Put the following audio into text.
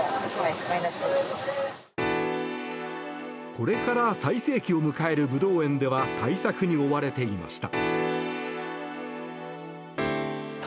これから最盛期を迎えるブドウ園では対策に追われていました。